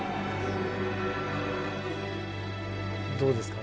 どうですか？